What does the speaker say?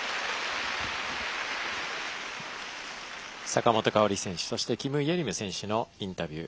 坂本花織選手そして、キム・イェリム選手のインタビュー